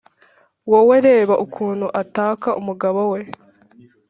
wowe reba ukuntu ataka umugabo we